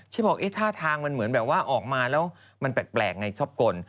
ที่บอกเอ๊ะท่าทางมันเหมือนแบบว่าออกมาแล้วมันแปลกไงชอบกล